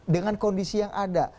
dengan kondisi yang ada